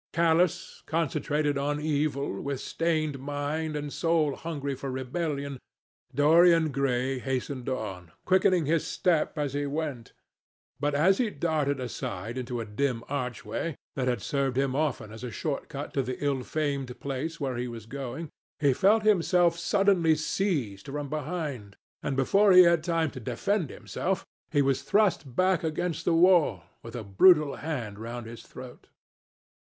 Callous, concentrated on evil, with stained mind, and soul hungry for rebellion, Dorian Gray hastened on, quickening his step as he went, but as he darted aside into a dim archway, that had served him often as a short cut to the ill famed place where he was going, he felt himself suddenly seized from behind, and before he had time to defend himself, he was thrust back against the wall, with a brutal hand round his throat.